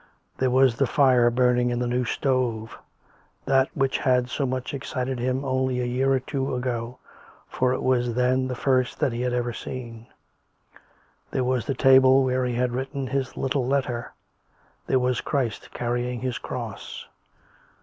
There was the fire burning in the new stove — that which had so much excited him only a year or two ago, for it was then the first that he had ever seen: there was the table where he had written his little letter; there was " Christ carrying His Cross."